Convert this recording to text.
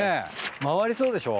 回りそうでしょ？